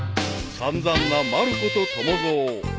［散々なまる子と友蔵］